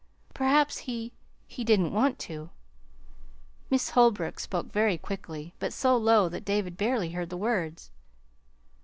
"Perhaps he he didn't want to." Miss Holbrook spoke very quickly, but so low that David barely heard the words.